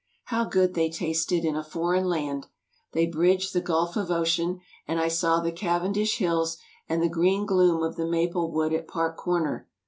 How good they tasted in a foreign land! They bridged the gulf of ocean, and I saw the Cavendish hills and the green gloom of the maple wood at Park Comer.